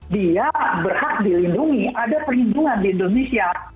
dia berhak dilindungi ada perlindungan di indonesia